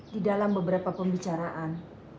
di dalam beberapa pembicaraan